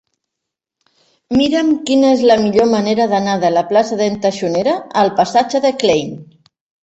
Mira'm quina és la millor manera d'anar de la plaça d'en Taxonera al passatge de Klein.